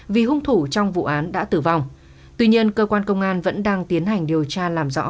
vì hung thủ trong vụ án đã tử vong tuy nhiên cơ quan công an vẫn đang tiến hành điều tra làm rõ